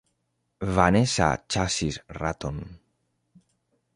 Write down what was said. Vanesa ĉasis raton.